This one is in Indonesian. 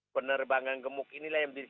penerbangan gemuk inilah yang